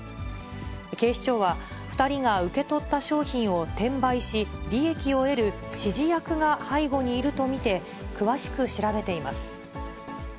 警視庁は２人が受け取った商品を転売し、利益を得る指示役が背後にいると見て、詳しく調べています。